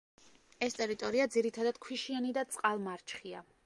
ეს ტერიტორია ძირითადად ქვიშიანი და წყალმარჩხია.